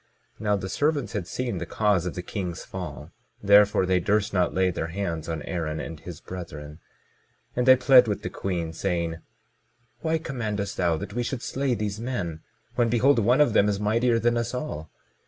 22:20 Now the servants had seen the cause of the king's fall, therefore they durst not lay their hands on Aaron and his brethren; and they pled with the queen saying: Why commandest thou that we should slay these men, when behold one of them is mightier than us all?